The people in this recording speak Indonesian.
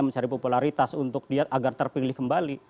mencari popularitas untuk dia agar terpilih kembali